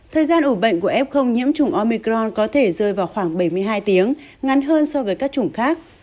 thời gian ủ bệnh của f nhiễm trùng omicron có thể rơi vào khoảng bảy mươi hai tiếng ngắn hơn so với các chủng khác